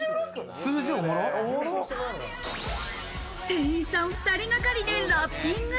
店員さん２人がかりでラッピング。